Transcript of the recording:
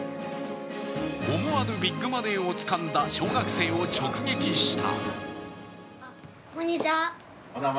思わぬビッグマネーをつかんだ小学生を直撃した。